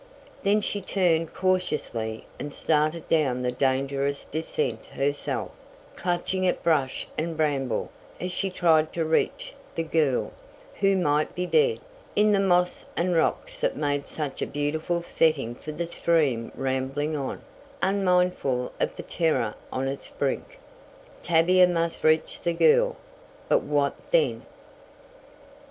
Then she turned cautiously, and started down the dangerous descent herself, clutching at brush and bramble as she tried to reach the girl, who might be dead, in the moss and rocks that made such a beautiful setting for the stream rambling on, unmindful of the terror on its brink. Tavia must reach the girl; but what then?